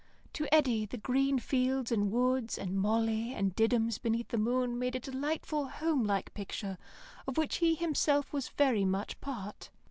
To Eddy the grey fields and woods and Molly and Diddums beneath the moon made a delightful home like picture, of which he himself was very much part.